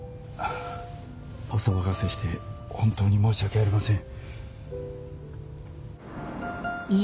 お騒がせして本当に申し訳ありません。